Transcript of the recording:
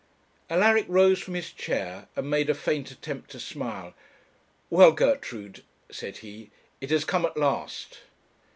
Alaric rose from his chair and made a faint attempt to smile. 'Well, Gertrude,' said he, 'it has come at last.'